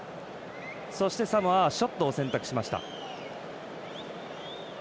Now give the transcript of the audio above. そして、サモアはショットを選択しました。